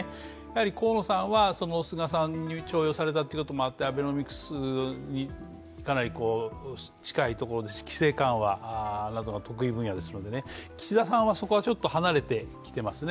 河野さんは、菅さんに重用されたということもあってアベノミクスにかなり近いところですし、規制緩和などが得意分野ですので岸田さんはそこをちょっと離れていますね。